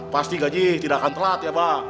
pasti gaji tidak akan telat